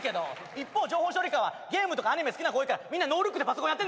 一方情報処理科はゲームとかアニメ好きな子多いからみんなノールックでパソコンやって。